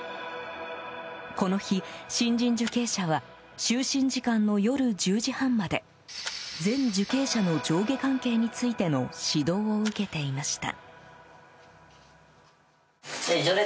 この日、新人受刑者は就寝時間の夜１０時半まで全受刑者の上下関係についての指導を受けていました。